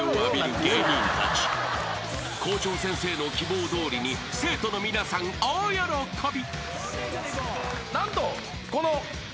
［校長先生の希望どおりに生徒の皆さん大喜び］